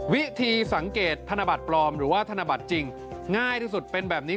วิธีสังเกตธนบัตรปลอมหรือว่าธนบัตรจริงง่ายที่สุดเป็นแบบนี้